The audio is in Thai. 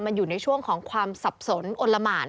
มันอยู่ในช่วงของความสับสนอนละหมาน